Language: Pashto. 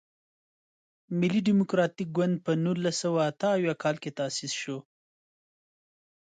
ملي ډیموکراتیک ګوند په نولس سوه اته اویا کال کې تاسیس شو.